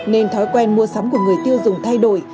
nên thói quen mua sắm của người tiêu dùng thay đổi